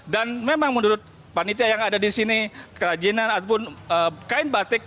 dan memang menurut panitia yang ada di sini kerajinan ataupun kain batik